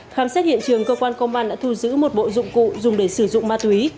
khám xét hiện trường cơ quan công an đã thu giữ một bộ dụng cụ dùng để sử dụng ma túy